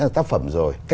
tác phẩm rồi